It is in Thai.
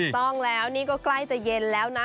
ต้องแล้วนี่ก็ใกล้จะเย็นแล้วนะ